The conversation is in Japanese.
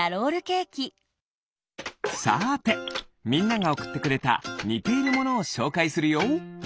さてみんながおくってくれたにているものをしょうかいするよ。